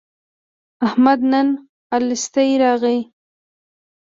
احمد نن الستی راغی.